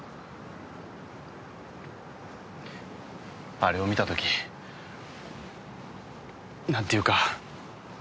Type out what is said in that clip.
あれを見た時なんていうか。